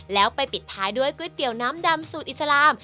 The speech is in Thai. แล้วไปปิดท้ายด้วยก๋วยเตี๋ยวน้ำดำสูตรอิสลาม